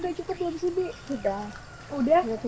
siapa kak cuma si rada jakobi